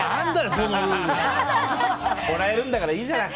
そのルール！もらえるんだからいいじゃない。